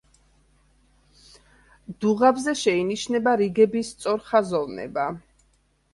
დუღაბზე შეინიშნება რიგების სწორხაზოვნება.